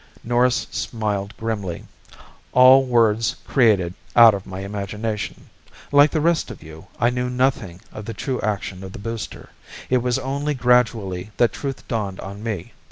Norris smiled grimly. "All words created out of my imagination. Like the rest of you, I knew nothing of the true action of the booster. It was only gradually that truth dawned on me.